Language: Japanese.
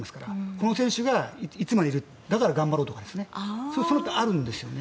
この選手がいつまでいるだから頑張ろうとそうすると、あるんですね。